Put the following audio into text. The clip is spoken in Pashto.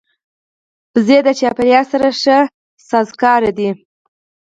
وزې د چاپېریال سره ښه سازګارې دي